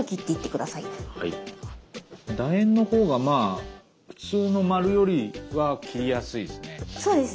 だ円のほうがまあ普通の丸よりは切りやすいですね。